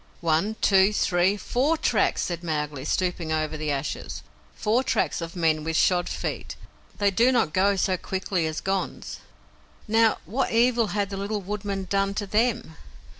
"One, two, three, four tracks," said Mowgli, stooping over the ashes. "Four tracks of men with shod feet. They do not go so quickly as Gonds. Now, what evil had the little woodman done to them?